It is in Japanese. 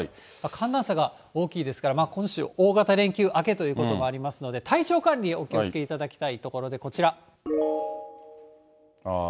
寒暖差が大きいですから、今週、大型連休明けということもありますので、体調管理、お気をつけいただきたいところでこちら。